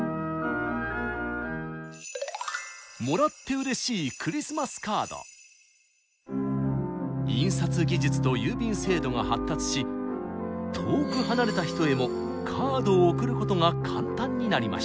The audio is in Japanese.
もらってうれしい印刷技術と郵便制度が発達し遠く離れた人へもカードを送ることが簡単になりました。